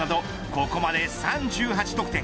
ここまで３８得点。